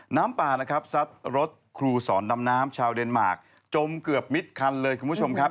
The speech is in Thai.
น้ำป่านะครับซัดรถครูสอนดำน้ำชาวเดนมาร์คจมเกือบมิดคันเลยคุณผู้ชมครับ